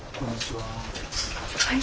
はい？